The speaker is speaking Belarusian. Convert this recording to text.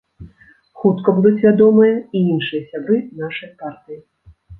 Хутка будуць вядомыя і іншыя сябры нашай партыі.